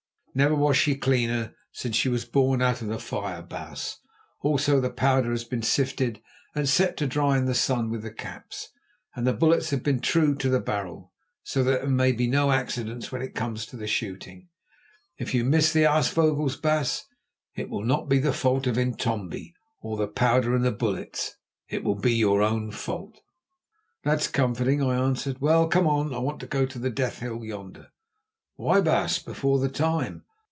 "Never was she cleaner since she was born out of the fire, baas. Also, the powder has been sifted and set to dry in the sun with the caps, and the bullets have been trued to the barrel, so that there may be no accidents when it comes to the shooting. If you miss the aasvogels, baas, it will not be the fault of Intombi or of the powder and the bullets; it will be your own fault." "That's comforting," I answered. "Well, come on, I want to go to the Death hill yonder." "Why, baas, before the time?"